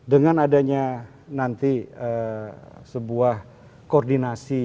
dengan adanya nanti sebuah koordinasi